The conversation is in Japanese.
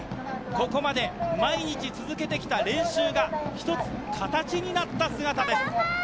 ここまで毎日続けてきた練習が１つ、形になった姿です。